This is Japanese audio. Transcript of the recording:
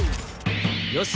よし！